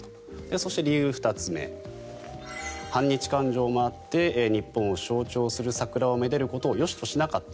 そして理由２つ目反日感情もあって日本を象徴する桜を愛でることをよしとしなかった。